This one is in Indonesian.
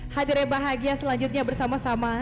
hadirnya bahagia selanjutnya bersama sama